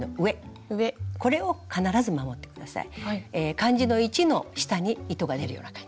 漢字の「一」の下に糸が出るような感じ。